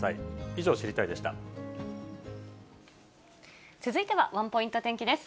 以上、続いてはワンポイント天気です。